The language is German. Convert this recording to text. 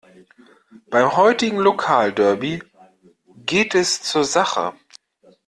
Beim heutigen Lokalderby geht es zur Sache.